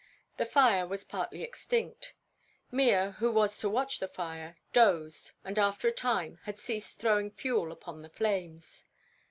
The fire was partly extinct. Mea, who was to watch the fire, dozed and after a time had ceased throwing fuel upon the flames.